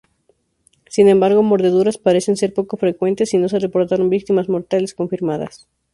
Sin embargo, mordeduras parecen ser poco frecuentes, y no se reportaron víctimas mortales confirmadas.